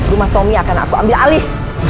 rumah tommy akan aku ambil alih